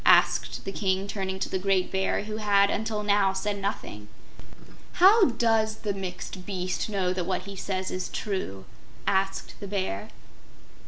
asked the King, turning to the great Bear, who had until now said nothing. "How does the Mixed Beast know that what he says is true?" asked the Bear.